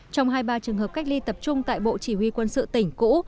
trong hai mươi ba trường hợp cách ly tập trung tại bộ chỉ huy quân sự tỉnh cũ